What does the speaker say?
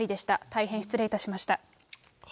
大変失礼いたしました。